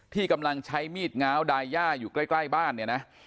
ที่กำลังใช้มีดง้าวดายย่าอยู่ใกล้บ้านเนี่ยนะ